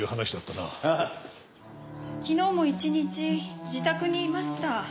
昨日も一日自宅にいました。